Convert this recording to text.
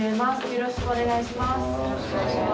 よろしくお願いします。